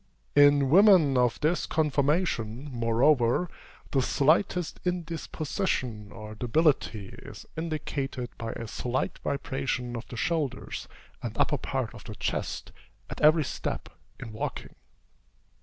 In women of this conformation, moreover, the slightest indisposition or debility is indicated by a slight vibration of the shoulders, and upper part of the chest, at every step, in walking.